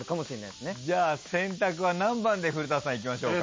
じゃあ選択は何番で古田さんいきましょうか？